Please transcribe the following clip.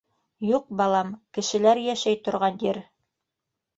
Юҡ, балам, кешеләр йәшәй торған ер.